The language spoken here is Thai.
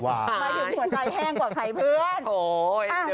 หมายถึงหัวใจแห้งกว่าใครเพื่อน